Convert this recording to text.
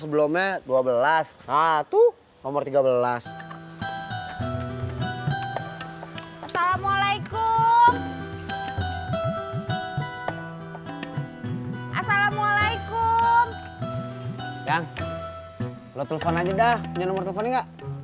sampai jumpa di video selanjutnya bang